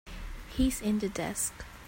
He's in the desk.